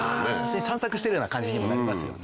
散策しているような感じにもなりますよね。